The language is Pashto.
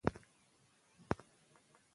ادیب د مثلثاتو په ژباړه کې تېروتنې کوي.